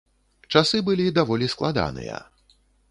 Часы былі даволі складаныя.